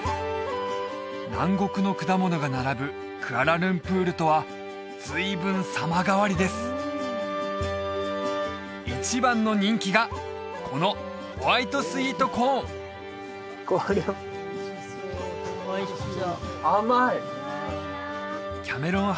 南国の果物が並ぶクアラルンプールとは随分様変わりです一番の人気がこのホワイトスイートコーン甘いキャメロン